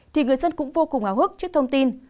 thì người dân cũng vô cùng hào hức trước thông tin